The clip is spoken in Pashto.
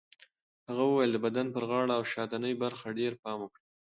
هغه وویل د بدن پر غاړه او شاتنۍ برخه ډېر پام وکړئ.